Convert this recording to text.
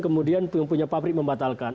kemudian punya pabrik membatalkan